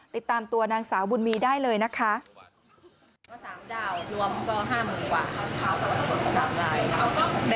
ติดตามตัวนางสาวบุญมีได้เลยนะคะ